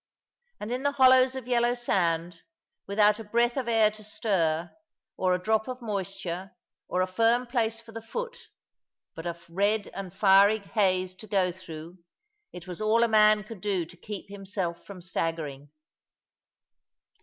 And in the hollows of yellow sand, without a breath of air to stir, or a drop of moisture, or a firm place for the foot, but a red and fiery haze to go through, it was all a man could do to keep himself from staggering.